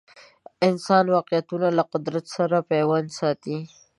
انسان واقعیتونه له قدرت سره پیوند ساتي